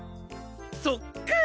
そっかぁ。